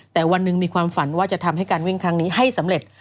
แต่วันหนึ่งมีความฝันว่าจะทำให้การวิ่งครั้งนี้ให้สำเร็จ